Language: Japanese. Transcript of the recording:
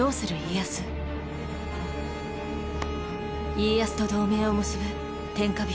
家康と同盟を結ぶ天下人